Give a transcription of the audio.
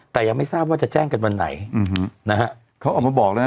แต่ยังไม่ทราบว่าจะแจ้งกันวันไหนนะฮะเขาออกมาบอกแล้วนะ